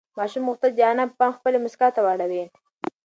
ماشوم غوښتل چې د انا پام خپلې مسکا ته واړوي.